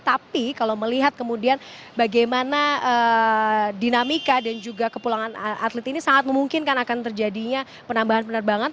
tapi kalau melihat kemudian bagaimana dinamika dan juga kepulangan atlet ini sangat memungkinkan akan terjadinya penambahan penerbangan